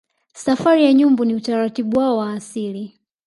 Safari ya Nyumbu ni utaratibu wao wa asili